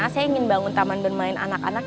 saya ingin bangun taman bermain anak anak